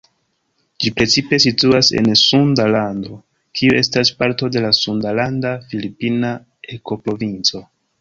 Ĝi precipe situas en Sunda Lando, kiu estas parto de la sundalanda-filipina ekoprovinco.